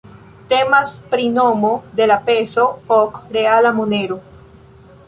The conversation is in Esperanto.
Temas pri nomo de la peso, ok-reala monero.